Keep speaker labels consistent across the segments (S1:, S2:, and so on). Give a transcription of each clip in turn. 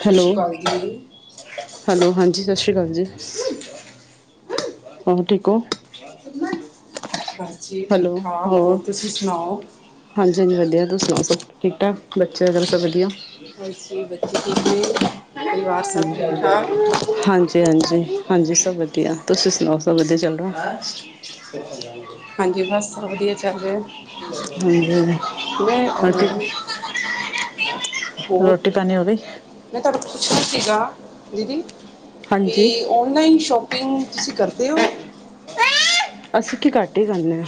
S1: ਸਤਿ
S2: ਹੈਲੋ।
S1: ਸ਼੍ਰੀ ਅਕਾਲ ਜੀ
S2: ਹੈਲੋ ਹਾਂਜੀ ਸਤਿ ਸ਼੍ਰੀ ਕਾਲ ਜੀ। ਹੋਰ ਠੀਕ ਓ?
S1: ਬਸ ਜੀ ਠੀਕ ਠਾਕ ਹੋਰ ਤੁਸੀਂ ਸੁਣਾਓ?
S2: ਹਾਂਜੀ ਹਾਂਜੀ, ਵਧੀਆ ਤੁਸੀਂ ਸੁਣਾਓ ਸਭ ਠੀਕ ਠਾਕ ਬੱਚੇ ਵਗੈਰਾ ਸਭ ਵਦੀਆ।
S1: ਬਸ ਜੀ ਬੱਚੇ ਠੀਕ ਨੇ ਪਰਿਵਾਰ ਸਭ ਠੀਕ ਠਾਕ?
S2: ਹਾਂਜੀ-ਹਾਂਜੀ, ਹਾਂਜੀ ਸਭ ਵਧੀਆ ਤੁਸੀਂ ਸੁਣਾਓ ਸਭ ਵਧੀਆ ਚੱਲ ਰਿਆ? [unintelligible]
S1: ਹਾਂਜੀ। ਬਸ ਸਭ ਵਧੀਆ ਚੱਲ ਰਿਆ।
S2: ਹਾਂਜੀ, [unintelligible]
S1: ਅਹ, ਹੋਰ
S2: ਰੋਟੀ ਪਾਣੀ ਹੋਗੀ।
S1: ਮੈਂ ਤੁਹਾਡੇ ਕੋਲ ਪੁੱਛਣਾ ਸੀਗਾ ਦੀਦੀ? ਤੇ
S2: ਹਾਂਜੀ
S1: ਓਨਲਾਈਨ ਸ਼ੋਪਿੰਗ ਤੁਸੀਂ ਕਰਦੇ ਓ?
S2: ਅਸੀਂ ਕੀ ਘੱਟ ਈ ਜਾਣੇ ਆ।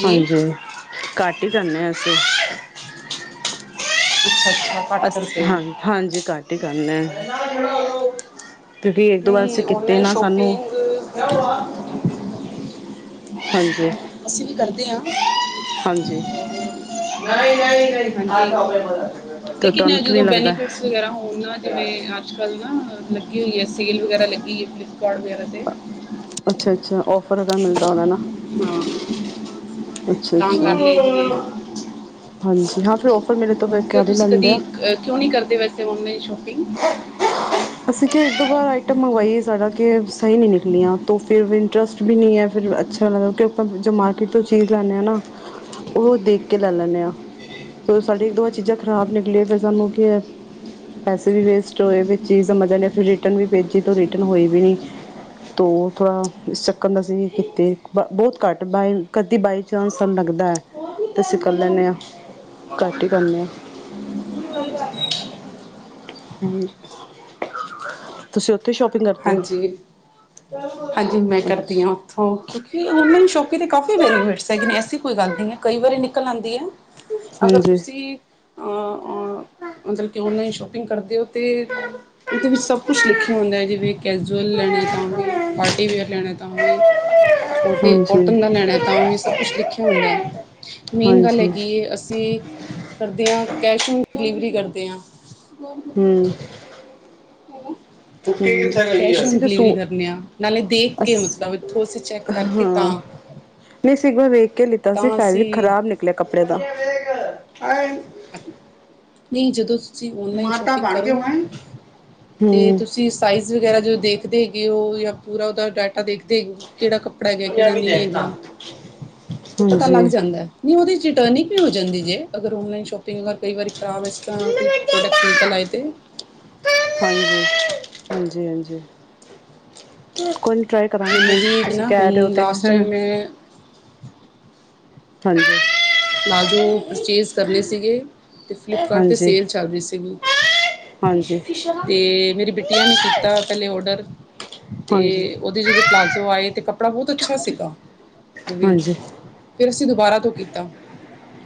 S1: ਜੀ
S2: ਹਾਂਜੀ। ਘੱਟ ਈ ਜਾਣੇ ਅਸੀਂ।
S1: ਅੱਛਾ, ਅੱਛਾ। ਘੱਟ
S2: ਅਸੀਂ
S1: ਕਰਦੇ ਹੋ
S2: ਹਾਂ, ਹਾਂਜੀ ਘੱਟ ਈ ਕਰਨੇ ਆ। ਕਿਉਂਕਿ ਇੱਕ ਦੋ ਵਾਰ
S1: ਨਹੀਂ
S2: ਅਸੀਂ ਕੀਤੇ
S1: ਆਨਲਾਈਨ
S2: ਨਾ ਸਾਨੂੰ
S1: ਸ਼ਾਪਿੰਗ
S2: ਹਾਂਜੀ।
S1: ਅਸੀਂ ਵੀ ਕਰਦੇ ਆ।
S2: ਹਾਂਜੀ।
S1: ਹਾਂਜੀ
S2: ਤੇ ਤੋਂ ਤੁਹਾਨੂੰ
S1: ਲੇਕਿਨ ਜਦੋਂ
S2: ਕਿਵੇਂ ਲੱਗਦਾ?
S1: ਬੈਨੀਫਿਟਸ ਵਗੈਰਾ ਹੋਣ ਨਾ ਜਿਵੇਂ ਅੱਜ ਕੱਲ੍ਹ ਨਾ ਲੱਗੀ ਹੋਈ ਐ ਸੇਲ ਵਗੈਰਾ ਲੱਗੀ ਐ ਫਲਿੱਪਕਾਰਟ ਵਗੈਰਾ ਤੇ।
S2: ਅੱਛਾ, ਅੱਛਾ ਔਫਰ ਹੈਗਾ ਮਿਲਦਾ ਹੋਣਾ ਨਾ।
S1: ਹਾਂ
S2: ਅੱਛਾ,
S1: ਤਾਂ ਕਰ ਲਈ ਦੀਏ
S2: ਅੱਛਾ। ਹਾਂਜੀ ਹਾਂ, ਫਿਰ ਔਫਰ ਮਿਲੇ ਤੋਂ ਫਿਰ
S1: ਕਿਉਂ
S2: ਕਰ ਈ
S1: ਤੁਸੀਂ
S2: ਲੈਂਦੇ।
S1: ਕਦੀ ਕਿਉਂ ਨੀ ਕਰਦੇ ਵੈਸੇ ਔਨਲਾਈਨ ਸ਼ੋਪਿੰਗ?
S2: ਅਸੀਂ ਕਿ ਇੱਕ ਦੋ ਵਾਰ ਆਈਟਮ ਮੰਗਵਾਈਏ ਸਾਡਾ ਕਿ ਸਹੀ ਨੀ ਨਿਕਲੀਆਂ ਤੋਂ ਫਿਰ ਇੰਟਰਸਟ ਵੀ ਨੀ ਐ ਤੋਂ ਫਿਰ ਅੱਛਾ ਮਤਲਬ ਕੇ ਆਪਾਂ ਮਾਰਕੀਟ ਤੋਂ ਚੀਜ਼ ਲੈਣੇ ਆ ਨਾ ਉਹ ਦੇਖ ਕੇ ਲੈ ਲੈਨੇ ਆ। ਤੇ ਸਾਡੀ ਇੱਕ ਦੋ ਚੀਜ਼ਾਂ ਖ਼ਰਾਬ ਨਿਕਲੀਆਂ ਫਿਰ ਸਾਨੂੰ ਕੀ ਪੈਸੇ ਵੀ ਵੇਸਟ ਹੋਏ। ਚੀਜ਼ ਸਮਝ ਫਿਰ ਰਿਟਰਨ ਵੀ ਭੇਜੀ ਤੇ ਰਿਟਰਨ ਹੋਈ ਵੀ ਨੀ। ਤੋਂ ਥੋੜਾ ਇਸ ਚੱਕਰ ਨਾਲ ਅਸੀਂ ਨੀ ਕੀਤੀ ਬਹੁਤ ਘੱਟ ਬਾਏ ਕਦੀ ਬਾਏ [unintelligible] ਲੱਗਦਾ ਤੇ ਅਸੀਂ ਕਰ ਲੈਣੇ ਆ ਘੱਟ ਈ ਕਰਨੇ ਆ।
S1: [inaudible]
S2: ਹੂੰ, ਤੁਸੀਂ ਉੱਥੇ ਸ਼ੌਪ
S1: ਹਾਂਜੀ। ਹਾਂਜੀ। ਮੈਂ ਕਰਦੀ
S2: ਅੱਛਾ
S1: ਆ ਉੱਥੋਂ। ਕਿਉਂਕਿ ਔਨਲਾਈਨ ਸ਼ੋਪਿੰਗ ਦੇ ਕਾਫੀ ਬੈਨੀਫਿਟਸ ਹੈਗੇ ਨੇ। ਐਸੀ ਕੋਈ ਗੱਲ ਨੀ ਐ। ਕਈ ਵਾਰੀ ਨਿਕਲ ਆਂਦੀ ਐ ਅਗਰ
S2: ਹਾਂਜੀ
S1: ਤੁਸੀਂ ਅ ਮਤਲਬ ਕਿ ਔਨਲਾਈਨ ਸ਼ੋਪਿੰਗ ਕਰਦੇ ਓ ਤੇ ਉਹਦੇ ਵਿੱਚ ਸਭ ਕੁਛ ਲਿਖਿਆ ਹੁੰਦਾ ਐ ਜਿਵੇਂ ਕੈਜ਼ੂਅਲ ਲੈਣੇ ਆ ਤਾਂ ਵੀ, ਪਾਰਟੀਵੇਅਰ ਲੈਣੇ ਆ ਤਾਂ ਵੀ ਕੋਟੀ
S2: ਹਾਂਜੀ
S1: ਕੋਟਨ ਦਾ ਲੈਣਾ ਤਾਂ ਵੀ ਸਭ ਕੁਛ ਲਿਖਿਆ ਹੁੰਦੈ। ਮੇਨ ਗੱਲ
S2: ਹਾਂਜੀ
S1: ਹੈਗੀ ਏ ਅਸੀ ਕਰਦੇ ਆਂ, ਕੈਸ਼ ਔਨ ਡਿਲੀਵਰੀ ਕਰਦੇ ਆਂ।
S2: ਹੂੰ। ਤੂੰ ਮੇਰੇ ਤਾਂ ਗਈ ਐ।
S1: ਕੈਸ਼ ਔਨ
S2: ਤੁਸੀ ਤੇ
S1: ਡਿਲੀਵਰੀ
S2: ਸੂ
S1: ਕਰਨੇ ਆ ਨਾਲੇ ਦੇਖ
S2: ਅਸ
S1: ਕੇ ਮਤਲਬ ਇੱਥੋਂ ਅਸੀਂ ਚੈੱਕ ਕਰਕੇ ਤਾਂ
S2: ਹਾਂ। ਨਈ ਸੀਗਾ। ਵੇਖ ਕੇ ਲਿੱਤਾ ਸੀ।
S1: ਤਾਂ ਅਸੀਂ
S2: ਫੈਬਰਿਕ ਖਰਾਬ ਨਿਕਲੇਆ ਕੱਪੜੇ ਦਾ।
S1: ਨਈਂ ਜਦੋਂ ਤੁਸੀ ਔਨਲਾਈਨ ਸ਼ੋਪਿੰਗ ਕਰੋ ਨਾ ਤੇ
S2: ਹੂੰ
S1: ਤੁਸੀ ਸਾਈਜ਼ ਵਗੈਰਾ ਜੋ ਦੇਖਦੇ ਹੈਗੇ ਓ ਯਾਂ ਪੂਰਾ ਓਦਾ ਡਾ ਟਾ ਦੇਖਦੇ ਹੈਗੇ ਕੇੜਾ ਕੱਪੜਾ ਹੈਗੈ,
S2: ਦੁਨੀਆ
S1: ਕੇੜਾ
S2: ਵੀ
S1: ਨਈ
S2: ਦੇਖਣਾ
S1: ਹੈਗਾ ਤੇ ਪਤਾ ਲੱਗ
S2: ਹਾਂਜੀ
S1: ਜਾਂਦੈ। ਨਈ ਓਦੇ 'ਚ ਰਿਟਰਨਿੰਗ ਵੀ ਹੋ ਜਾਂਦੀ ਜੇ ਅਗਰ ਔਨਲਾਈਨ ਸ਼ੋਪਿੰਗ ਅਗਰ ਕਈ ਵਾਰੀ ਖਰਾਬ ਐਸ
S2: ਹਾਂਜੀ
S1: ਤਰ੍ਹਾਂ ਕੋਈ ਪ੍ਰੋਡਕਟ ਨਿਕਲ ਆਏ ਤੇ
S2: ਹਾਂਜੀ, ਹਾਂਜੀ-ਹਾਂਜੀ। ਕੋਈ ਨੀ ਟ੍ਰਾਈ ਕਰਾਂਗੇ
S1: ਮੈਂ ਵੀ
S2: ਤੁਸੀ
S1: ਨਾ
S2: ਕੈ ਰਏ ਓ
S1: ਹੁਣ
S2: ਤੇ,
S1: ਲਾਸਟ ਟਾਈਮ ਮੈਂ
S2: ਹਾਂਜੀ।
S1: ਪਲਾਜ਼ੋ ਪਰਚੇਜ਼ ਕਰਨੇ ਸੀਗੇ। ਤੇ ਫਲਿੱਪਕਾਰਡ ਤੇ
S2: ਹਾਂਜੀ
S1: ਸੇਲ ਚੱਲ ਰੀ ਸੀਬੁ
S2: ਹਾਂਜੀ ਹਾਂਜੀ
S1: ਤੇ ਮੇਰੀ ਬੇ ਟੀਆ ਨੇ ਕੀਤਾ ਪੈਲੇ ਓਰਡਰ ਤੇ ਓਦੇ ਜਦੋਂ ਪਲਾਜ਼ੋ ਆਏ ਤੇ ਕੱ ਪੜਾ ਬੋਤ ਅੱਛਾ ਸੀਗਾ ਓ ਵੀ
S2: ਹਾਂਜੀ
S1: ਫੇਰ ਅਸੀਂ ਦੁਬਾਰਾ ਤੋਂ ਕੀਤਾ।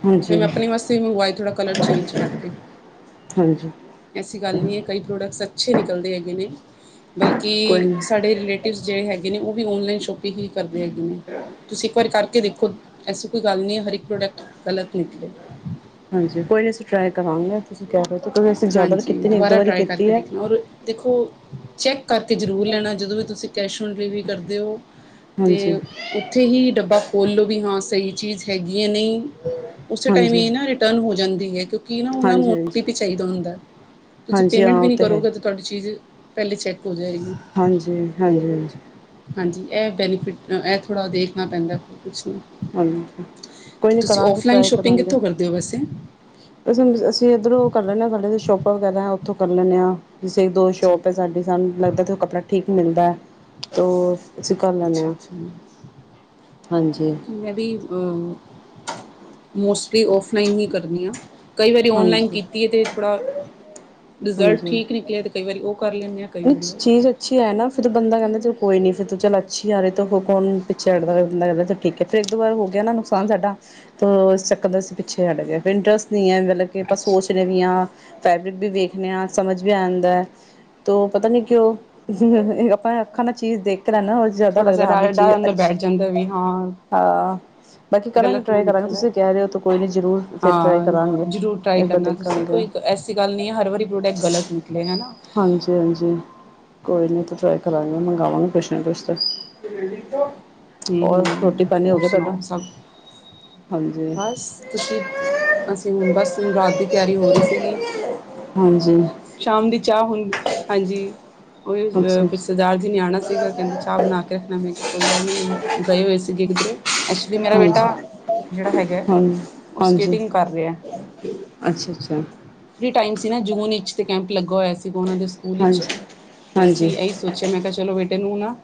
S2: ਹਾਂਜੀ
S1: ਫੇਰ ਮੈਂ ਆਪਣੇ ਵਾਸਤੇ ਵੀ ਮੰਗਵਾਏ ਥੋੜਾ ਕਲਰ ਚੇਂਜ ਕਰਕੇ।
S2: ਹਾਂਜੀ
S1: ਐਸੀ ਗੱਲ ਨਈ ਐ ਕਈ ਪ੍ਰੋਡਕਟਸ ਅੱਛੇ ਨਿਕਲਦੇ ਹੈਗੇ ਨੇ ਬਲਕਿ
S2: ਕੋਈ ਨਹੀਂ
S1: ਸਾਡੇ ਰਿਲੇਟ ਫਿਰ ਜੇ ਹੈਗੇ ਨੇ ਓ ਵੀ ਔਨਲਾਈਨ ਸ਼ੋਪਿੰਗ ਹੀ ਕਰਦੇ ਹੈਗੇ ਨੇ। ਤੁਸੀ ਇੱਕ ਵਾਰ ਕਰਕੇ ਦੇਖੋ ਐਸੀ ਕੋਈ ਗੱਲ ਨੀ ਐ ਹਰ ਇੱਕ ਪ੍ਰੋਡਕਟ ਗਲਤ ਨਿਕਲੇ
S2: ਹਾਂਜੀ ਕੋਈ ਨੀ ਅਸੀ ਟ੍ਰਾਈ ਕਰਾਂਗੇ। ਤੁਸੀ ਕੈ ਰਏ ਸੀ ਕਿਉਂਕਿ ਅਸੀ ਜ਼ਿਆਦਾ ਤੇ
S1: ਹਾਂਜੀ
S2: ਕੀਤੀ ਨਈ ਇੱਕ ਦੋ
S1: ਦੁਬਾਰਾ
S2: ਵਾਰੀ
S1: ਟਰਾਈ
S2: ਕੀਤੀ
S1: ਕਰਕੇ
S2: ਐ
S1: ਦੇਖਣਾ ਔਰ ਦੇਖੋ ਚੈੱਕ ਕਰਕੇ ਜਰੂਰ ਲੈਣਾ ਜਦੋਂ ਵੀ ਤੁਸੀ ਕੈਸ਼ ਔਨ ਡਿਲੀਵਰੀ ਕਰਦੇ ਓ।
S2: ਹਾਂਜੀ
S1: ਤੇ ਓਥੇ ਹੀ ਡੱਬਾ ਖੋਲ ਲੋ ਵੀ ਹਾਂ ਸਈ ਚੀਜ ਹੈਗੀ ਐ ਨਈ। ਓਸੇ ਟਾਈਮ
S2: ਹਾਂਜੀ
S1: ਈ ਏ ਨਾ ਰਿਟਰਨ ਹੋ ਜਾਂਦੀ ਏ ਕਿਉਂਕਿ ਨਾ ਓਨਾਂ
S2: ਹਾਂਜੀ
S1: ਨੂੰ
S2: ਹਾਂਜੀ
S1: ਪੇ ਚਾਈਦੇ ਹੁੰਦੈ। ਤੁਸੀ
S2: ਹਾਂਜੀ
S1: ਪੇਮੈਂਟ
S2: ਹਾਂ
S1: ਵੀ
S2: ਉਹ
S1: ਨੀ
S2: ਤਾਂ ਹੈ
S1: ਕਰੋਗੇ ਤੇ ਤੁਆਡੀ ਚੀਜ਼ ਪੈਲੇ ਈ ਚੈੱਕ ਹੋ ਜਾਏਗੀ।
S2: ਹਾਂਜੀ, ਹਾਂਜੀ।
S1: ਹਾਂਜੀ ਐ ਬੈਨੀਫਿਟ ਅ ਐ ਥੋੜਾ ਦੇਖਨਾ ਪੈਂਦੈ ਕੋ ਕੁਛ ਨੀ।
S2: ਹਾਂਜੀ ਕੋਈ
S1: ਤੇ
S2: ਨੀ
S1: ਤੁਸੀ
S2: ਕਰਾਂਗੇ
S1: ਓਫਲਾਈਨ ਸ਼ੋਪਿੰਗ ਕਿੱਥੋਂ ਕਰਦੇ ਓ ਵੈਸੇ?
S2: ਵੈਸੇ ਅਸੀ ਏੱਧਰੋਂ ਕਰ ਲੈਂਨੇ ਆਂ। ਸਾਡੇ ਏੱਥੇ ਸ਼ੋਪਾਂ ਵਗੈਰਾ ਐਂ ਓਥੋਂ ਕਰ ਲੈਂਨੇ ਆਂ। ਸਈ ਦੋ
S1: ਅੱਛਾ
S2: ਸ਼ੋਪ ਐ ਸਾਡੀ। ਸਾਨੂੰ ਲੱਗਦੈ ਥੋਂ ਕੱਪੜਾ ਠੀਕ ਮਿਲਦੈ ਤੋ ਅਸੀ ਕਰ ਲੈਂਨੇਂ
S1: ਅੱਛਾ
S2: ਆਂ,
S1: ਅੱਛਾ
S2: ਹਾਂਜੀ।
S1: ਹੂੰ, ਮੋਸਟਲੀ ਔਫਲਾਈਨ ਹੀ ਕਰਨੀ ਆਂ। ਕਈ ਵਾਰੀ ਔਨਲਾਈਨ
S2: ਹਾਂਜੀ,
S1: ਕੀਤੀ ਏ ਤੇ ਥੋੜਾ ਰਿਜ਼ਲਟ ਠੀਕ ਨਿਕਲੇਐ। ਕਈ ਵਾਰੀ ਓ ਕਰ ਲੈਂਨੇਂ ਆਂ।
S2: ਵਿੱਚ ਚੀਜ਼ ਅੱਛੀ ਐ ਨਾ। ਫੇਰ ਜੇ ਬੰਦਾ ਕੈਂਦਾ ਚਲ ਕੋਈ ਨੀ ਫਿਰ ਤੇ ਚੱਲ ਅੱਛੀ ਆ ਰਈ ਤਾਂ ਫੇਰ ਕੌਨ ਪਿੱਛੇ ਹਟਦਾ ਚਲ ਬੰਦਾ ਕੈਂਦਾ ਠੀਕ ਐ ਫੇਰ ਏੱਕ ਦੋ ਵਾਰ ਹੋ ਗਿਆ ਨਾ ਨੁਕਸਾਨ ਸਾਡਾ ਤੋ ਇਸ ਚੱਕਰ ਦੇ ਅਸੀ ਪਿੱਛੇ ਹਟ ਗਏ। ਫੇਰ ਇੰਟਰਸਟ ਨੀ ਐ ਮਤਲਬ ਤੇ ਆਪਾਂ
S1: ਅੱਛਾ
S2: ਸੋਚਨੇ ਵੀ ਆਂ, ਫੈਬਰਿਕ ਵੀ ਵੇਖਣੇ ਹਾਂ ਸਮਝ ਵੀ ਆਂਦੈ ਤੋਂ ਪਤਾ ਨੀ ਕਿਓਂ ਆਪਾਂ ਐ ਅੱਖਾਂ ਨਾਲ ਚੀਜ਼ ਦੇਖ ਕੇ ਲੈਨੇ ਆਂ ਜ਼ਿਆਦਾ
S1: ਥੋੜਾ ਸ
S2: ਲੱਗਦਾ ਹਾਂ ਬਈ
S1: ਡਰ
S2: ਚੀਜ
S1: ਡਰ ਅੰਦਰ
S2: ਅੱਛੀ,
S1: ਬੈਠ ਜਾਂਦਾ ਵੀ ਹਾਂ
S2: ਹਾਂ। ਬਾਕੀ ਕਰਾਂਗੇ,
S1: ਗਲਤ ਨਾ
S2: ਟ੍ਰਾਈ ਕਰਾਂਗੇ।
S1: ਨਿਕਲ ਆਏ
S2: ਤੁਸੀ ਕੈ ਰਏ ਓ ਤੇ ਕੋਈ ਨੀ ਜਰੂਰ, ਫਿਰ ਟ੍ਰਾਈ
S1: ਹਾਂ
S2: ਕਰਾਂਗੇ।
S1: ਜ਼ਰੂਰ ਟਰਾਈ
S2: ਏੱਕ ਬਾਰ
S1: ਕਰਨਾ ਤੁਸੀਂ
S2: ਦੇਖਾਂਗੇ
S1: ਕੋਈ ਐਸੀ ਗੱਲ ਨੀ ਐ ਹਰ ਵਾਰੀ ਪ੍ਰੋਡਕਟ ਗਲਤ ਨਿਕਲੇ, ਹੈਨਾ।
S2: ਹਾਂਜੀ-ਹਾਂਜੀ। ਕੋਈ ਨੀ, ਇਥੋਂ ਟਰਾਈ ਕਰਾਂਗੇ, ਮੰਗਾਵੇ ਕੁਛ ਨਾ ਕੁਛ ਤੇ।
S1: ਹਮ
S2: ਹੋਰ ਰੋਟੀ
S1: ਹਮ
S2: ਪਾਣੀ
S1: ਹੋਰ
S2: ਹੋਗਿਆ ਤੁਹਾਡਾ।
S1: ਸੁਣਾਓ ਸਭ
S2: ਹਾਂਜੀ
S1: ਬਸ ਤੁਸੀਂ, ਅਸੀਂ ਹੁਣ ਬਸ ਰਾਤ ਦੀ ਤਿਆਰੀ ਹੋ ਰਹੀ ਸੀਗੀ।
S2: ਹਾਂਜੀ।
S1: ਸ਼ਾਮ ਦੀ ਚਾਹ ਹੁਣ ਹਾਂਜੀ,
S2: ਅੱਛਾ
S1: ਉਹ
S2: ਅੱਛਾ
S1: ਸਰਦਾਰ ਜੀ ਨੇ ਆਣਾ ਸੀ। ਸੀਗਾ ਕਹਿੰਦੇ ਚਾਹ ਬਣਾ ਕੇ ਰੱਖਣਾ, ਮੈਂ ਕਿਹਾ ਕੋਈ ਗੱਲ ਨੀ। ਹੁਣ ਗਏ ਹੋਏ ਸੀਗੇ ਕਿੱਧਰੇ। ਐਸੂਲੀ ਮੇਰਾ ਬੇਟਾ
S2: ਹਾਂਜੀ
S1: ਜਿਹੜਾ ਹੈਗਾ,
S2: ਹਾਂਜੀ
S1: ਉਹ
S2: ਹਾਂਜੀ
S1: ਸਕੇਟਿੰਗ ਕਰ ਰਿਹਾ।
S2: ਅੱਛਾ ਅੱਛਾ
S1: ਫਰੀ ਟਾਈਮ ਸੀ ਨਾ ਜੂਨ 'ਚ, ਕੈਂਪ ਲੱਗਾ ਹੋਇਆ ਸੀਗਾ ਉਹਨਾਂ ਦੇ ਸਕੂਲ 'ਚ
S2: ਹਾਂਜੀ
S1: ਤੇ
S2: ਹਾਂਜੀ
S1: ਅਸੀਂ ਇਹੀ ਸੋਚਿਆ ਮੈਂ ਕਿਹਾ ਚਲੋ, ਬੇਟੇ ਨੂੰ ਨਾ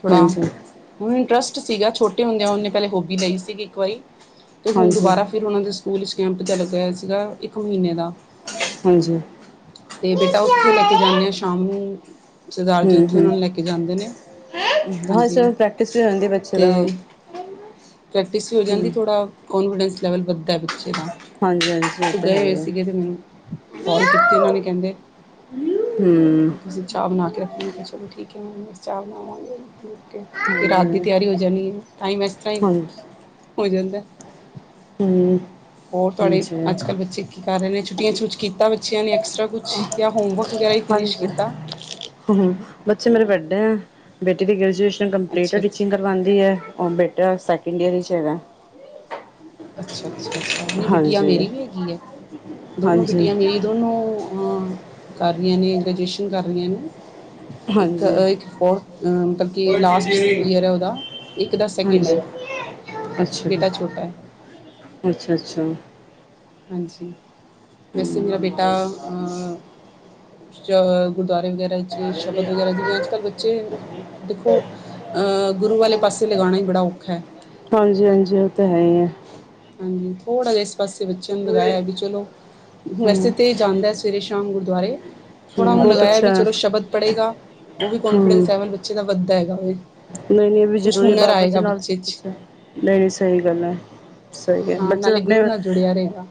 S1: ਥੋੜ੍ਹਾ ਹੁਣ ਇੰਟਰਸਟ ਸੀਗਾ, ਛੋਟੇ ਹੁੰਦਿਆਂ ਉਹਨੇ ਪਹਿਲੇ ਹੋਬੀ ਲਈ ਸੀਗੀ ਇੱਕ ਵਾਰੀ ਤੇ
S2: ਹਾਂਜੀ
S1: ਹੁਣ
S2: ਹਾਂਜੀ
S1: ਦੁਬਾਰਾ ਤੇ ਹੁਣ ਉਹਦੇ ਸਕੂਲ 'ਚ ਕੈਂਪ ਜਿਹਾ ਲੱਗਾ ਹੋਇਆ ਸੀਗਾ, ਇੱਕ ਮਹੀਨੇ ਦਾ।
S2: ਹਾਂਜੀ।
S1: ਤੇ ਬੇਟਾ ਉੱਥੇ ਲੈ ਕੇ ਜਾਂਨੇ ਆ ਸ਼ਾਮ ਨੂੰ, ਸਰਦਾਰ ਜੀ
S2: ਹਮ
S1: ਉੱਥੇ
S2: ਹਮ
S1: ਉਹਨਾਂ ਨੂੰ ਲੈ ਕੇ ਜਾਂਦੇ ਨੇ।
S2: ਹਾਂ ਇਸ
S1: ਹਾਂਜੀ
S2: ਤਰ੍ਹਾਂ ਪ੍ਰੈਕਟਿਸ ਵੀ ਰਹਿੰਦੀ ਬੱਚੇ
S1: ਤੇ
S2: ਦਾ
S1: ਪ੍ਰੈਕਟਿਸ ਵੀ ਹੋ ਜਾਂਦੀ,
S2: ਹਮ
S1: ਥੋੜ੍ਹਾ ਕੋਂਨਫੀਡੈਂਸ ਲੈਵਲ ਵੱਧਦਾ ਬੱਚੇ ਦਾ
S2: ਹਾਂਜੀ ਹਾਂਜੀ ਉਹ
S1: ਤੇ
S2: ਤਾਂ
S1: ਗਏ
S2: ਹੈ
S1: ਹੋਏ
S2: ਹੀ ਹੈ
S1: ਸੀਗੇ ਤੇ ਮੈਨੂੰ ਕੌਲ ਕੀਤੀ ਉਹਨਾਂ ਨੇ, ਕਹਿੰਦੇ
S2: ਹਮ
S1: ਤੁਸੀਂ ਚਾਹ ਬਣਾ ਕੇ ਰੱਖਣੀ, ਮੈਂ ਕਿਹਾ ਚਲੋ ਠੀਕ ਐ ਮੈ ਬਸ ਚਾਹ ਬਣਾਵਾਂਗੇ ਹੁਣ। ਤੇ ਫਿਰ ਰਾਤ ਦੀ
S2: ਹਾਂਜੀ
S1: ਤਿਆਰੀ ਹੋ ਜਾਂਨੀ ਏ, ਟਾਈਮ ਇਸ ਤਰ੍ਹਾਂ ਈ,
S2: ਹਾਂਜੀ
S1: ਹੋ ਜਾਂਦਾ।
S2: ਹੂੰ
S1: ਹੋਰ ਤੁਹਾਡੇ
S2: ਹਾਂਜੀ
S1: ਅੱਜ-ਕੱਲ੍ਹ ਬੱਚੇ ਕੀ ਕੀ ਕਰ ਰਹੇ ਨੇ, ਛੁੱਟੀਆਂ 'ਚ ਕੁੱਛ ਕੀਤਾ ਬੱਚਿਆਂ ਨੇ, ਐਕਸਟ੍ਰਾ ਕੁਛ ਜਾਂ ਹੋਮਵਰਕ ਵਗੈਰਾ ਈ ਫਿਨਿਸ਼ ਕੀਤਾ।
S2: ਹੂ-ਹੂ, ਬੱਚੇ ਮੇਰੇ ਵੱਡੇ ਐਂ। ਬੇਟੀ ਦੀ ਗ੍ਰੈਜੂਏਸ਼ਨ ਕੰਪਲੀਟ
S1: ਅੱਛਾ
S2: ਏ,
S1: ਅੱਛਾ
S2: ਟੀਚਿੰਗ ਕਰਵਾਂਦੀ ਐ, ਔਰ ਬੇਟਾ ਸੈਕਿੰਡ ਈਅਰ 'ਚ ਹੈਗਾ।
S1: ਅੱਛਾ-ਅੱਛਾ, ਅੱਛਾ, ਨੀ ਬਿੱਟੀਆਂ
S2: ਹਾਂਜੀ,
S1: ਮੇਰੀ ਵੀ ਹੈਗੀ ਐਂ। ਦੋਨੋਂ
S2: ਹਾਂਜੀ,
S1: ਬਿੱਟੀਆ ਮੇਰੀ ਦੋਨੋਂ ਹਾਂ ਕਰ ਰਹੀਆਂ ਨੇ, ਗ੍ਰੈਜੂਏਸ਼ਨ ਕਰ ਰਹੀਆਂ ਨੇ। ਇੱਕ
S2: ਹਾਂਜੀ। ਹਾਂਜੀ,
S1: ਆਹ ਫੋਰਥ, ਮਤਲਬ ਕਿ
S2: ਅੱਛਾ
S1: ਲਾਸਟ ਈਅਰ ਐ ਓਦਾ। ਇੱਕ ਦਾ ਸੈਕਿੰਡ
S2: ਜੀ,
S1: ਐ, ਬੇਟਾ ਛੋਟਾ ਐ।
S2: ਅੱਛਾ-ਅੱਛਾ।
S1: ਹਾਂਜੀ, ਵੈਸੇ ਮੇਰਾ ਬੇਟਾ ਅ ਚਲ ਗੁਰਦੁਆਰੇ ਵਗੈਰਾ 'ਚ ਸ਼ਬਦ ਵਗੈਰਾ, ਜਿਵੇ ਅਜ ਕੱਲ੍ਹ ਬੱਚੇ ਦੇਖੋ, ਅ ਗੁਰੂ ਵਾਲੇ ਪਾਸੇ ਲਗਾਂਣਾ ਈ ਬੜਾ ਔਖਾ।
S2: ਹਾਂਜੀ-ਹਾਂਜੀ, ਓ ਤੇ ਹੈ ਈ ਐ।
S1: ਹਾਂਜੀ, ਥੋੜਾ ਜਿਹਾ ਇਸ ਪਾਸੇ ਬੱਚੇਆਂ ਨੂੰ ਲਗਾਇਆ ਵੀ ਚਲੋ
S2: ਹੂੰ,
S1: ਵੈਸੇ ਤੇ ਜਾਂਦਾ ਐ, ਸਵੇਰੇ ਸ਼ਾਮ ਗੁਰਦੁਆਰੇ। ਥੋੜਾ ਓਨੂ
S2: ਬਹੁਤ
S1: ਲਗਾਇਆ
S2: ਅੱਛਾ
S1: ਵੀ
S2: ਐ
S1: ਚਲੋ ਸ਼ਬਦ ਪੜ੍ਹੇਗਾ। ਓ ਵੀ
S2: ਹੂੰ
S1: ਕੋਂਨਫੀਡੈਂਸ ਲੈਵਲ ਬੱਚੇ ਦਾ ਵੱਦਧਾ ਹੈਗਾ।
S2: ਨਈ-ਨਈ ਏ ਵੀ
S1: ਕੁਛ
S2: ਜ਼ਰੂਰੀ
S1: ਹੁਨਰ
S2: ਬਾਬਾ ਜੀ
S1: ਆਏਗਾ
S2: ਨਾਲ
S1: ਬੱਚੇ
S2: ਸਭ
S1: 'ਚ
S2: ਕੁਛ ਐ। ਨਹੀ-ਨਹੀ ਸਹੀ ਗੱਲ ਐ। ਸਹੀ ਐ,
S1: ਹਾਂ
S2: ਬੱਚੇ ਨੂੰ
S1: ਨਾਲੇ
S2: ਅਪਣੇ
S1: ਗੁਰੂ ਨਾਲ ਜੁੜਿਆ ਰਹੇਗਾ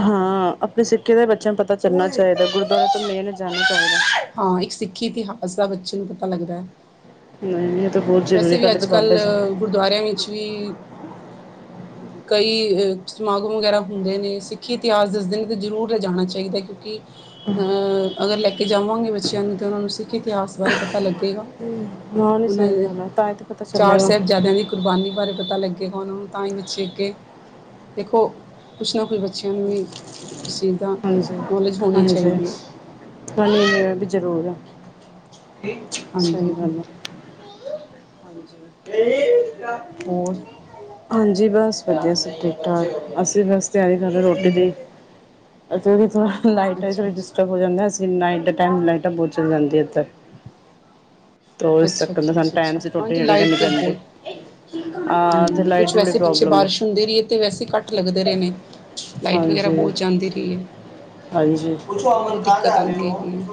S2: ਹਾਂ, ਅਪਣੇ ਸਿੱਖ਼ੀ ਦਾ ਬੱਚੇਆਂ ਨੂੰ ਪਤਾ ਚੱਲਣਾ ਚਾਹੀਦਾ, ਗੁਰਦੁਆਰਾ ਤਾ ਮੇਨ ਐ, ਜਾਣਾ ਚਾਹੀਦਾ।
S1: ਹਾਂ, ਇੱਕ ਸਿੱਖੀ ਇਤਿਹਾਸ ਦਾ ਬੱਚੇ ਨੂੰ ਪਤਾ ਲੱਗਦਾ ਐ।
S2: ਨਈ-ਨਈ ਐ ਤਾਂ ਬੋਤ ਜ਼ਰੂਰੀ, ਪੈਲੇ ਤਾਂ ਬਾਬਾ ਜੀ
S1: ਕੱਲ੍ਹ ਗੁਰਦੁਆਰਿਆਂ ਵਿੱਚ ਵੀ
S2: [inaudible]
S1: ਕਈ ਅ ਸਮਾਗਮ ਵਗੈਰਾ ਹੁੰਦੇ ਨੇ, ਸਿੱਖੀ ਇਤਿਹਾਸ ਦੱਸਦੇ ਨੇ ਤੇ ਜ਼ਰੂਰ ਲਿਜਾਣਾ ਚਾਹੀਦਾ। ਕਿਉਂਕਿ ਹਾਂ ਅਗਰ ਲੈ ਕੇ ਜਾਵਾਂਗੇ ਬੱਚੇਆਂ ਨੂੰ ਤਾਂ ਓਨਾਂ ਨੂੰ ਸਿੱਖ ਇਤਿਹਾਸ ਬਾਰੇ ਪਤਾ ਲੱਗੇਗਾ।
S2: ਹਾਂ ਏ
S1: ਉਹਨਾਂ
S2: ਸਈ
S1: ਦੇ
S2: ਗੱਲ ਆ ਧਰ
S1: ਚਾਰ ਸਾਹਿਬਜ਼ਾਦਿਆਂ ਦੀ ਕੁਰਬਾਨੀ ਬਾਰੇ ਪਤਾ ਲੱਗੇਗਾ ਓਨਾਂ ਨੂੰ ਤਾਂ ਈ ਬਚੇ ਅੱਗੇ ਦੇਖੋ, ਕੁਛ ਨਾ ਕੁਛ ਬੱਚੇਆਂ ਨੂੰ ਵੀ ਇਸ ਚੀਜ਼ ਦਾ
S2: ਹਾਂਜੀ
S1: ਨੌਲੇਜ ਹੋਣੀ
S2: ਹਾਂਜੀ
S1: ਚਾਈਦੀ ਐ।
S2: ਵੀ ਜ਼ਰੂਰ ਆ,
S1: ਹਾਂਜੀ
S2: ਸਈ ਗੱਲ ਆ। [unintelligible]
S1: ਹੋਰ?
S2: ਹਾਂਜੀ ਬਸ ਵਧੀਆ ਸ ਠੀਕ-ਠਾਕ ਅਸੀ ਬਸ ਤੇਆਰੀ ਕਰੇ ਰੇ ਰੋਟੀ
S1: ਹਮ,
S2: ਦੀ। ਐਤੇ ਦੀ ਥੋੜਾ ਲਾਈਟ
S1: ਅੱਛਾ ਅੱਛਾ
S2: ਡਿਸਟਰਬ ਹੋ ਜਾਂਦਾ ਐ, ਇਸ ਨਾਈਟ ਦੇ ਟਾਈਮ ਲਾਈਟਾਂ ਬੋਤ ਚਲਾਦੇ ਆ ਏਦਰ।
S1: ਅੱਛਾ ਅੱਛਾ ਅੱਛਾ ਅੱਛਾ
S2: [unintelligible]
S1: ਹਾਂਜੀ ਲਾਈਟ
S2: ਕਰਨੀ
S1: ਤੇ ਬੋਤ,
S2: ਪੈਂਦੀ ਆ ਤੇ
S1: ਹੂੰ
S2: ਲਾਈਟ
S1: ਕੁਛ
S2: ਦੀ ਬੜੀ
S1: ਵੈਸੇ ਪਿੱਛੇ
S2: ਪ੍ਰੋਬਲਮ ਹੈ
S1: ਬਾਰਿਸ਼ ਹੁੰਦੀ ਰੀ ਤੇ ਵੈਸੇ ਕਟ ਲੱਗਦੇ ਦੇ ਰਏ ਨੇ ਲਾਈਟ ਵਗੈਰਾ
S2: ਹਾਂਜੀ
S1: ਬੋਤ ਜਾਂਦੀ ਰਈ ਏ।
S2: ਹਾਂਜੀ,
S1: ਹੈਗੀ
S2: [unintelligible]
S1: ਹੈ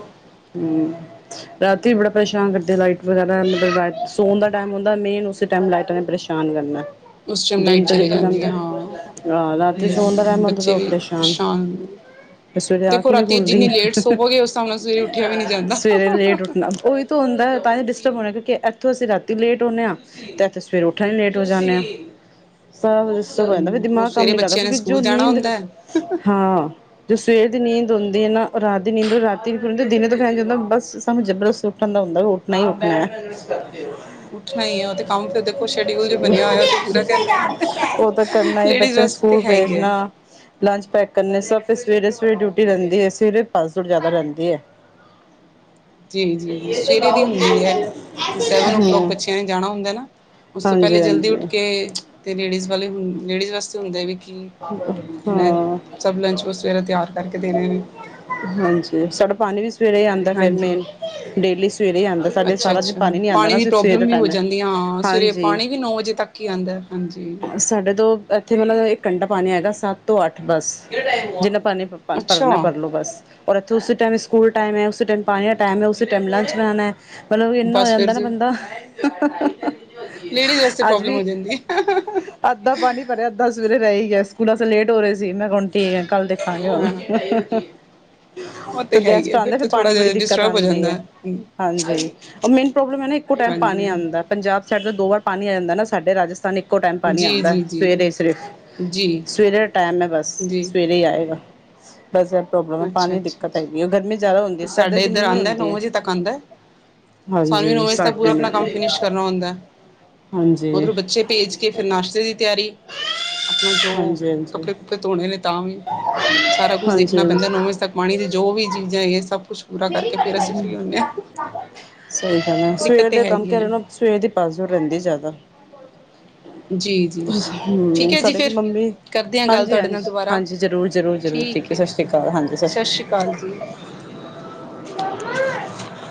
S2: ਹੂੰ ਰਾਤੀ ਵੀ ਬੜਾ ਪਰੇਸ਼ਾਨ ਕਰਦੀ ਲਾਈਟ ਵਗੈਰਾ ਮਤਲਬ ਰਾ ਸੋਣ ਦਾ ਟਾਈਮ ਹੁੰਦਾ ਮੇਨ ਟਾਈਮ ਲਾਈਟਾਂ ਨੇ ਪਰੇਸ਼ਾਨ ਕਰਨੈ
S1: ਉਸ ਟਾਈਮ
S2: ਦੇਨ
S1: ਲਾਈਟ
S2: ਤੇ
S1: ਚਲੇ
S2: ਨੀਕਲ
S1: ਜਾਂਦੀ ਹੈ
S2: ਜਾਂਦਾ
S1: ਹਾਂ
S2: ਆ ਰਾਤੀ ਸੌਣ ਦਾ
S1: ਹਮ,
S2: ਟੈਮ ਹੋਂਦਾ
S1: ਬੱਚੇ
S2: ਤੇ
S1: ਵੀ
S2: ਪਰੇਸ਼ਾਨ ਫੇਰ ਸਵੇਰੇ ਆਖ
S1: ਦੇਖੋ
S2: ਈ ਨੀ
S1: ਰਾਤੀ
S2: ਖੁਲਦੀ,
S1: ਜਿੰਨੀ ਲੇਟ ਸੋਵੋਗੇ ਉਸ ਹਿਸਾਬ ਨਾਲ ਸਵੇਰੇ ਉੱਠਿਆ ਵੀ ਨਹੀਂ ਜਾਂਦਾ
S2: ਸਵੇਰੇ ਲੇਟ ਉਠਣਾ, ਓਈ ਤੋ ਹੁੰਦਾ ਤਾਂ ਈ ਡਿਸਟਰਬ ਹੋਣਾ ਕਿਉਂਕੀ ਐਥੋਂ ਅਸੀ ਰਾਤੀ ਲੇਟ ਹੁੰਨੇ ਆਂ ਤੇ ਐਥੇ ਸਵੇਰੇ ਉੱਠਣ ਲੇਟ ਹੋ ਜਾਂਨੇ ਆ, ਸਵ ਸ ਜਾਂਦਾ ਫੇਰ
S1: ਹੂੰ, ਉਹ
S2: ਦੀਮਾਗ ਕੰਮ
S1: ਸਵੇਰੇ
S2: ਨੀ ਕਰਦਾ
S1: ਬੱਚਿਆਂ ਨੇ
S2: ਕਿਉਂਕੀ
S1: ਸਕੂਲ ਜਾਣਾ
S2: ਨੀਂਦ,
S1: ਹੁੰਦਾ ਹੈ।
S2: ਹਾਂ ਜੋ ਸਵੇਰ ਦੀ ਨੀਂਦ ਹੁੰਦੀ ਏ ਨਾ ਓ ਰਾਤ ਦੀ ਨੀਂਦ ਰਾਤੀਦੀ ਦਿਨੇ ਤੋਂ ਫੈਲ ਜਾਂਦਾ ਬਸ ਸਾਨੂੰ ਜਬਰਸ ਉ ਠਣ ਦਾ ਹੁੰਦਾ ਵੀ ਉੱਠਣਾ ਈ ਉੱਠਣਾ ਐ।
S1: ਉੱਠਣਾ ਈ ਐ ਓ ਤੇ ਕੰਮ ਫੇਰ ਦੇਖੋ ਸ਼ਡਿਊਲ ਜੋ ਬਣੇਆ ਹੋਏਆ ਓਤੇ ਪੂਰਾ ਕਰਨਾ ਈ ਐ।
S2: ਓਤੇ ਕਰਨਾ ਈ ਬੱਚੇ ਨੂੰ ਸਕੂਲ ਭੇਜਣਾ ਲੰਚ ਪੈਕ ਕਰਨੇ, ਸਭ ਫੇਰ ਸਵੇਰੇ ਸਵੇਰੇ ਡਿਊਟੀ ਰੈਂਦੀ ਏ, ਸਵੇਰੇ ਪਸ ਦੋੜ ਜ਼ਆਦਾ ਰਹਿੰਦੀ ਐ। [inaudible]
S1: ਜੀ-ਜੀ, ਸਵੇਰੇ ਦੀ ਹੁੰਦੀ ਐ ਸੈਵਨ ਓ ਕਲੋਕ
S2: ਹੂੰ
S1: ਬੱਚੇਆਂ ਨੇ ਜਾਣਾ ਹੁੰਦਾ ਨਾ ਓਸ ਤੋਂ ਪੈਲੇ
S2: ਹਾਂਜੀ
S1: ਜਲਦੀ ਉੱਠ
S2: ਹਾਂਜੀ
S1: ਕੇ ਤੇ ਲੇਡੀਜ਼ ਵਾਲੇ ਹੁੰ ਲੇਡੀਜ਼ ਵਾਸਤੇ ਹੁੰਦੇ ਵੀ ਕੀ
S2: ਹਾਂ
S1: ਸਭ ਲੰਚ ਸਵੇਰੇ ਤਿਆਰ ਕਰਕੇ ਦੇਣੇ ਨੇ।
S2: ਹਾਂਜੀ ਸਾਡਾ ਪਾਣੀ ਵੀ ਸਵੇਰੇ ਆਉਦਾ ਫੇਰ
S1: ਹਾਂਜੀ।
S2: ਮੇਨ, ਡੇਲੀ ਸਵੇਰੇ ਆਦਾ, ਸਾਡੇ ਸਾਰਾ ਦਿਨ
S1: ਅੱਛਾ-ਅੱਛਾ,
S2: ਪਾਣੀ ਨੀ ਆਂ ਨਾ
S1: ਦੀ
S2: ਸਵੇਰ ਦੇ
S1: ਪ੍ਰੋਬਲਮ ਵੀ ਹੋ
S2: ਟਾਈਮ
S1: ਜਾਂਦੀ ਆ। ਹਾਂ, ਸਵੇਰੇ
S2: ਹਾਂਜੀ
S1: ਪਾਣੀ ਵੀ ਨੌ ਵਜੇ ਤੱਕ ਈ ਆਦਾ, ਹਾਜੀ- ਹਾਂਜੀ।
S2: ਸਾ ਏਥੇ ਮਤਲਬ ਇੱਕ ਘੰਟਾ ਪਾਣੀ ਆਏਗਾ ਸੱਤ ਤੋਂ ਅੱਠ ਬੱਸ ਜੇਨਾ ਪਾਣੀ ਭਰ
S1: ਅੱਛਾ,
S2: ਭਰਨਾ ਏ ਲੋ ਬਸ, ਔਰ ਏਥੇ ਉਸੇ ਟਾਈਮ ਸਕੂਲ ਟੈਮ ਉਸੇ ਟੈਮ ਪਾਣੀ ਦਾ ਟਾਈਮ ਉਸੇ ਟਾਈਮ ਲਚ ਬਉਣਾ ਐ ਮਤਲਬ ਏਨਾ ਹੋ
S1: ਬਸ
S2: ਜਾਂਦਾ ਨਾ
S1: ਫਿਰ
S2: ਬੰਦਾ
S1: ਲੇਡੀਜ਼ ਵਾਸਤੇ
S2: ਅੱਜ
S1: ਪ੍ਰੋਬਲਮ
S2: ਵੀ
S1: ਹੋ ਜਾਂਦੀ ਹੈ
S2: ਅੱਦਾ ਪਾਣੀ ਭਰੇਆ ਅੱਦਾ ਸਵੇਰੇ ਰੈ ਈ ਗੇਆ ਸੀ ਸਕੂਲੋ ਲੇਟ ਹੋ ਰਏ ਸੀ ਮੈਂ ਹੁਣ ਠੀਕ ਆ ਕੱਲ ਦੇ [inaudible]
S1: ਹਾਂ ਉਹ
S2: ਫ
S1: ਤੇ ਹੈ ਹੀ
S2: ਗੈਸਟ
S1: ਹੈ ਫਿਰ
S2: ਆਦੇ ਫੇਰ
S1: ਤਾਂ
S2: ਪਾਣੀ
S1: ਥੋੜਾ
S2: ਬੜੀ
S1: ਜਿਹਾ
S2: ਦੀਕਤ
S1: ਡਿਸਟਰਬ ਹੋ
S2: ਆਦੀ
S1: ਜਾਂਦਾ
S2: ਐ
S1: ਹੈ ਹਮ,
S2: ਹਾਂਜੀ ਓ ਮੇਨ ਪ੍ਰੋਬਲਮ ਹੈ ਨਾ ਇੱਕ ਟੈਮ
S1: ਹਾਂਜੀ
S2: ਪਾਣੀ
S1: ਹਾਂ
S2: ਆਦੈ ਪੰਜਾਬ ਸੈਡ ਤੋਂ ਦੋ ਵਾਰ ਪਾਣੀ ਆ ਜਾਂਦਾ ਨਾ ਸਾਡੇ ਰਾਜਸਥਾਨ ਈਕੋ ਟਾਈਮ ਪਾਣੀ
S1: ਜੀ
S2: ਆਉਂਦਾ
S1: ਜੀ ਜੀ
S2: ਸਵੇਰੇ ਸਵੇਰ
S1: ਜੀ
S2: ਸਵੇਰੇ ਆ ਟਾਈਮ ਹੈਗਾਆ ਬਸ
S1: ਜੀ
S2: ਸਵੇਰੇ ਈ ਆਏਗਾ। ਬਸ ਇਹ ਪ੍ਰੋਬਲਮ ਹੈ
S1: ਅੱਛਾ
S2: ਪਾਣੀ
S1: ਛਾ
S2: ਦਿੱਕਤ ਹੈਗੀ ਉਹ ਗਰਮੀ ਜ਼ਿਆਦਾ ਹੁੰਦੀ
S1: -ਛਾ
S2: ਸਰਦੀ
S1: ਸਾਡੇ
S2: ਚ
S1: ਏਦਰ
S2: ਇੰਨੀ ਨਹੀਂ
S1: ਆਦਾ ਨੌ
S2: ਹੁੰਦੀ ਹੈ
S1: ਵਜੇ ਤੱਕ ਆਦੈ। ਸਾਨੂੰ ਵੀ ਨੂੰ
S2: ਹਾਂਜੀ
S1: ਓਵੇਂ ਇਸ ਤੱਕ ਪੂਰਾ
S2: ਸਾਡੇ
S1: ਆਪਣਾ
S2: ਨਾਲ
S1: ਕੰਮ ਫੀਨੀਸ਼ ਕਰਨਾ ਹੁੰਦਾ ਐ।
S2: ਹਾਂਜੀ
S1: ਉਧਰੋਂ ਬੱਚੇ ਭੇਜ ਕੇ ਫਿਰ ਨਾਸ਼ਤੇ ਦੀ ਤਿਆਰੀ। ਆਪਣਾ ਜੋ
S2: ਹਾਂਜੀ ਹਾਂਜੀ
S1: ਕੱਪੜੇ ਕੁਪੜੇ ਧੋਣੇ ਨੇ ਤਾਂ ਵੀ ਸਾਰਾ ਕੁਛ
S2: ਹਾਂਜੀ
S1: ਦੇਖਣਾ
S2: ਹਾਂਜੀ
S1: ਪੈਂਦਾ। ਹੁਣ ਅੱਜ ਤੱਕ ਪਾਣੀ ਦੀ ਜੋ ਵੀ ਚੀਜ਼ਾਂ ਆਇਆ ਸੀ ਸਭ ਕੁਛ
S2: ਸਈ ਗੱਲ ਐ ਸਵੇਰ
S1: ਦਿੱਕਤ ਤੇ
S2: ਦੇ ਕੰਮ
S1: ਹੈਗੀ
S2: ਕਰੋ
S1: ਹੈ
S2: ਨਾ। ਸਵੇਰ ਦੀ ਭੱਜ ਦੌੜ ਰਹਿੰਦੀ ਜ਼ਿਆਦਾ।
S1: ਜੀ, ਜੀ, ਜੀ ਠੀਕ ਹੈ ਜੀ
S2: ਸਾਡੇ ਕੀ
S1: ਫਿਰ
S2: ਮੰਮੀ
S1: ਕਰਦੇ ਹਾਂ ਗੱਲ
S2: ਹਾਂਜੀ
S1: ਤੁਹਾਡੇ ਨਾਲ
S2: ਹਾਂਜੀ,
S1: ਦੁਬਾਰਾ
S2: ਹਾਂਜੀ ਜ਼ਰੂਰ ਜ਼ਰੂਰ ਜ਼ਰੂਰ ਠੀਕ ਐ ਸਤਿ ਸ਼੍ਰੀ ਅਕਾਲ ਹਾਂਜੀ ਸਤਿ ਸ਼੍ਰੀ ਅਕਾਲ। [unintelligible]